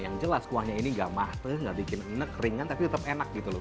yang jelas kuahnya ini nggak matah nggak bikin enek ringan tapi tetap enak gitu lho